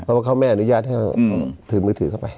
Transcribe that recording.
เพราะว่าเขาไม่อนุญาตให้เขาถือมือถือเข้าไป